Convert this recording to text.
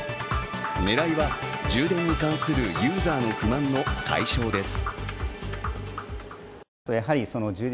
狙いは充電に関するユーザーの不満の解消です。